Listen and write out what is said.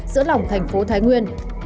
giữa lòng thành phố thái nguyên